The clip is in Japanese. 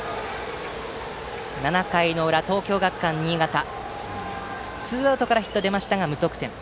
７回の裏、東京学館新潟はツーアウトからヒットが出ましたが、無得点。